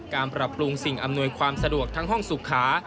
ปรับปรุงสิ่งอำนวยความสะดวกทั้งห้องสุขา